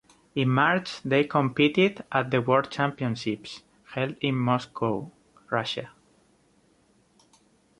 In March, they competed at the World Championships, held in Moscow, Russia.